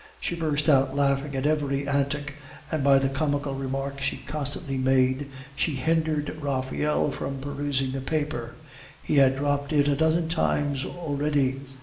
She burst out laughing at every antic, and by the comical remarks she constantly made, she hindered Raphael from perusing the paper; he had dropped it a dozen times already.